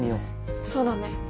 そうだね。